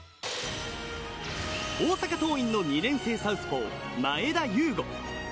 大阪桐蔭の２年生サウスポー前田ゆうご。